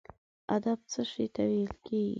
ادب څه شي ته ویل کیږي؟